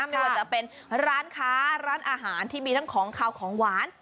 ไม่ว่าจะเป็นร้านค้าร้านอาหารที่มีทั้งของขาวของหวาน